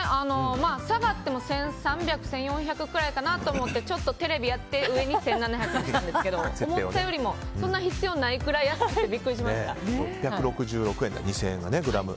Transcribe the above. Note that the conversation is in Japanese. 下がっても１３００１４００くらいかなと思ってちょっとテレビやって上に１７００にしたんですけど思ったよりもそんな必要ないくらい安くてビックリしました。